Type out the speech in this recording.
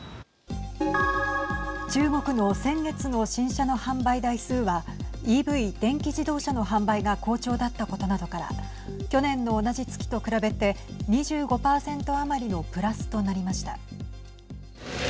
中国の先月の新車の販売台数はＥＶ＝電気自動車の販売が好調だったことなどから去年の同じ月と比べて２５％余りのプラスとなりました。